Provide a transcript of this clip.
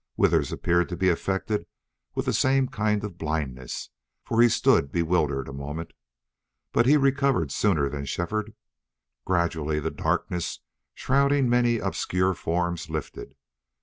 Withers appeared to be affected with the same kind of blindness, for he stood bewildered a moment. But he recovered sooner than Shefford. Gradually the darkness shrouding many obscure forms lifted.